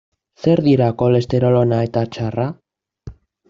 Zer dira kolesterol ona eta txarra?